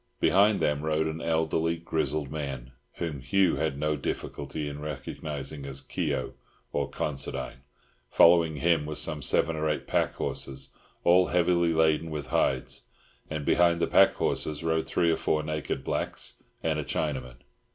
Behind them rode an elderly, grizzled man, whom Hugh had no difficulty in recognising as Keogh, or Considine. Following him were some seven or eight packhorses, all heavily laden with hides. And behind the packhorses rode three or four naked blacks and a Chinaman.